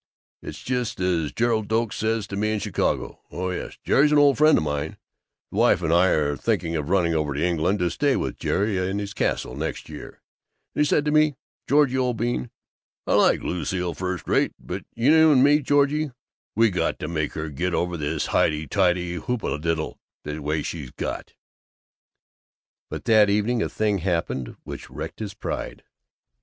It's just as Gerald Doak says to me in Chicago oh, yes, Jerry's an old friend of mine the wife and I are thinking of running over to England to stay with Jerry in his castle, next year and he said to me, 'Georgie, old bean, I like Lucile first rate, but you and me, George, we got to make her get over this highty tighty hooptediddle way she's got." But that evening a thing happened which wrecked his pride.